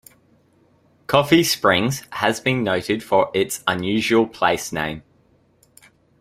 Coffee Springs has been noted for its unusual place name.